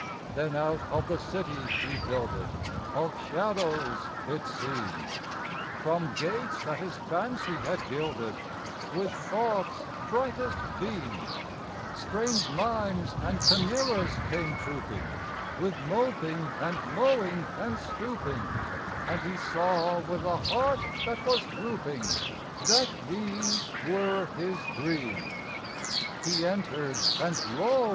Then out of the city he builded, Of shadows it seems, From gates that his fancy had gilded With thought's brightest beams, Strange mimes and chimeras came trooping, With moping and mowing and stooping And he saw with a heart that was drooping, That these were his dreams. He entered; and, lo!